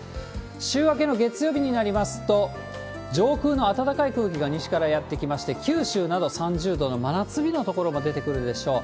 週明けの月曜日になりますと、上空の暖かい空気が西からやって来まして、九州など３０度の真夏日の所も出てくるでしょう。